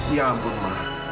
ya ampun ma